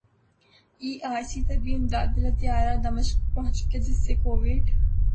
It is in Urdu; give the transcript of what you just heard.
ای آر سی طبی امداد والا طیارہ دمشق پہنچ گیا جس سے کوویڈ